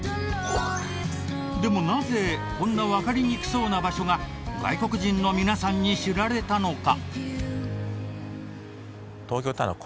でもなぜこんなわかりにくそうな場所が外国人の皆さんに知られたのか？